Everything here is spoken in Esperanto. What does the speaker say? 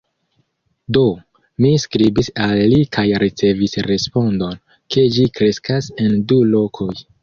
Do, mi skribis al li kaj ricevis respondon, ke ĝi kreskas en du lokoj.